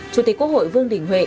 chủ tịch quốc hội vương đình huệ